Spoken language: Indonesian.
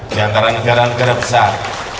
di antara negara negara besar